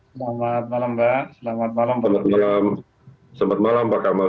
selamat malam mbak selamat malam pak kamal